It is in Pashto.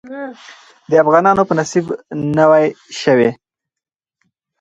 د افغانانو په نصيب نوى شوې.